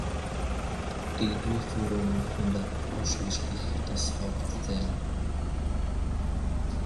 Die Durchführung behandelt ausschließlich das Hauptthema.